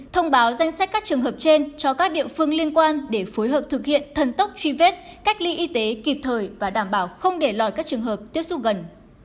thông báo danh sách các trường hợp trên cho các địa phương liên quan để phối hợp thực hiện thần tốc truy vết cách ly y tế kịp thời và đảm bảo không để lọt các trường hợp tiếp xúc gần